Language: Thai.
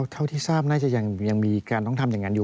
เท่าที่ทราบน่าจะยังมีการต้องทำอย่างนั้นอยู่